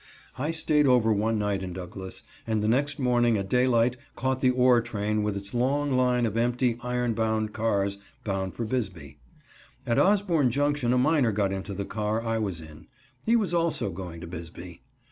I stayed over one night in Douglas, and the next morning at daylight caught the ore train with its long line of empty, iron bound cars, bound for Bisbee. At Osborne Junction a miner got into the car I was in. He was also going to Bisbee.